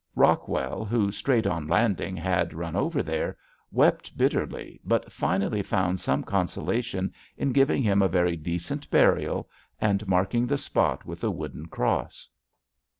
Rockwell, who straight on landing had run there, wept bitterly but finally found much consolation in giving him a very decent burial and marking the spot with a wooden cross.